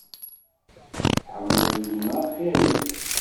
Tḥemmleḍ gma xir-iw?